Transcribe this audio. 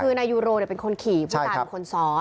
คือนายยูโรเป็นคนขี่ผู้ตายเป็นคนซ้อน